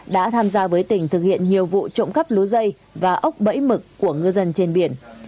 đã tham gia với tỉnh thực hiện nhiều vụ trộm cắp lúa dây và ốc bẫy mực của ngư dân trên biển